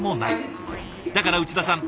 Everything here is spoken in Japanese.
だから内田さん